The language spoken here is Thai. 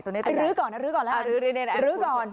ตัวนี้ตัวใหญ่ลื้อก่อนลื้อก่อนลื้อก่อนลื้อก่อน